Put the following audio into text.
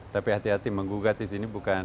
tapi hati hati menggugat disini bukan